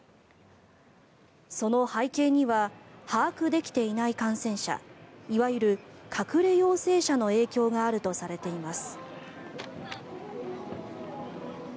その背景には把握できていない感染者いわゆる隠れ陽性者の影響があるとされています。